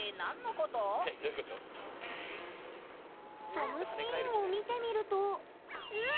そのシーンを見てみるとうわ！